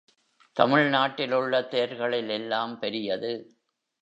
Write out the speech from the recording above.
தமிழ் நாட்டில் உள்ள தேர்களில் எல்லாம் பெரியது.